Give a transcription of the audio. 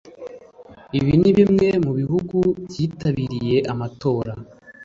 Ibi ni bimwe mu bihugu byitabiriye amatora